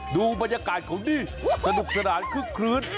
ดูบรรยากาศของดิสนุกสระขื้น